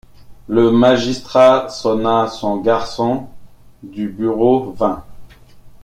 Le magistrat sonna, son garçon de bureau vint.